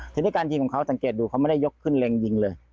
ทีนี้การยิงของเขาสังเกตดูเขาไม่ได้ยกขึ้นเล็งยิงเลย